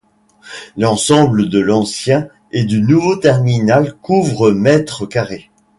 L'ensemble de l'ancien et du nouveau terminal couvre mètres carrés.